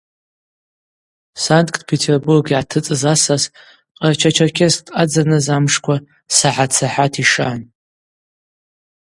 Санкт-Петербург йгӏатыцӏыз асас Къарча-Черкес дъадзаныз амшква сахӏат-сахӏат йшан.